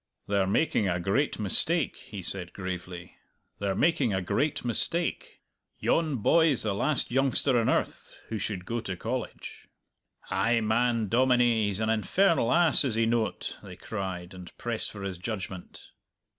"They're making a great mistake," he said gravely, "they're making a great mistake! Yon boy's the last youngster on earth who should go to College." "Ay, man, dominie, he's an infernal ass, is he noat?" they cried, and pressed for his judgment.